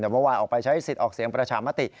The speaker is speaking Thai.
แต่เมื่อวานออกไปใช้สิทธิ์ออกเสียงประชามติ